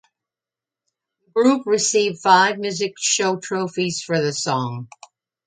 The group received five music show trophies for the song.